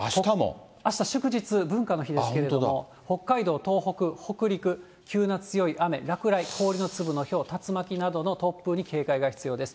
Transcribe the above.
あした祝日、文化の日ですけれども、北海道、東北、北陸、急な強い雨、落雷、氷の粒のひょう、竜巻などの突風に警戒が必要です。